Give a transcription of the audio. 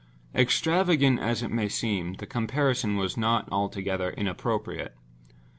Extravagant as it may seem, the comparison was not altogether inappropriate.